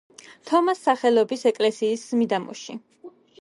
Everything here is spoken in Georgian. თომას სახელობის ეკლესიის მიდამოში.